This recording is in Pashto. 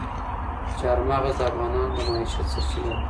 چار مغز د افغانانو د معیشت سرچینه ده.